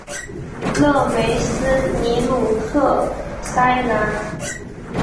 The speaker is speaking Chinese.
勒梅斯尼鲁克塞兰。